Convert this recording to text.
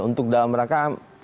untuk dalam rangka